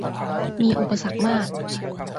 มีอุปสรรคมาก